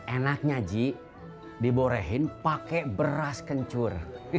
enaknya ji diborehin pake beras kencur